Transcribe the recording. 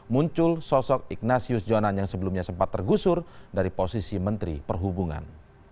muncul sosok ignatius jonan yang sebelumnya sempat tergusur dari posisi menteri perhubungan